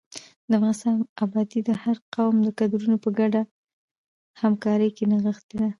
د افغانستان ابادي د هر قوم د کدرونو په ګډه همکارۍ کې نغښتې ده.